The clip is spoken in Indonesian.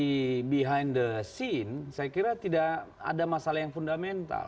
di behind the scene saya kira tidak ada masalah yang fundamental